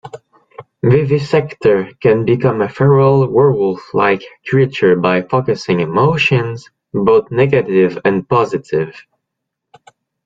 Vivisector can become a feral werewolf-like creature by focusing emotions, both negative and positive.